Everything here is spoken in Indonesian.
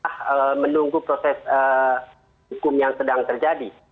mereka hanya berusaha menunggu proses hukum yang sedang terjadi